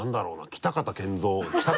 「北方謙三」